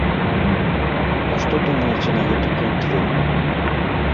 А што думаеце на гэты конт вы?